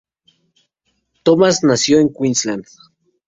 Thomas nació en Queensland.